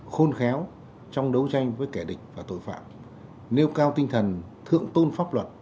khôn khéo trong đấu tranh với kẻ địch và tội phạm nêu cao tinh thần thượng tôn pháp luật